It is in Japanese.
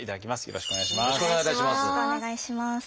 よろしくお願いします。